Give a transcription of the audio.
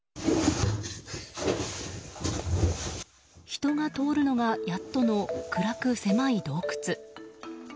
人が通るのがやっとの暗く狭い洞窟。